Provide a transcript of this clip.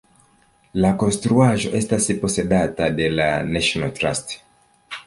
La konstruaĵo estas posedata de la National Trust.